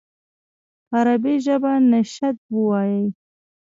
په عربي ژبه نشید ووایي.